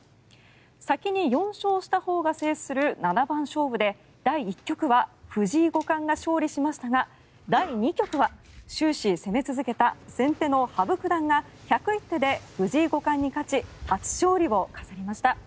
先に４勝したほうが制する七番勝負で第１局は藤井五冠が勝利しましたが第２局は終始攻め続けた先手の羽生九段が１０１手で藤井五冠に勝ち初勝利を飾りました。